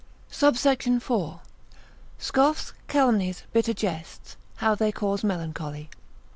SUBSECT. IV.—Scoffs, Calumnies, bitter Jests, how they cause Melancholy.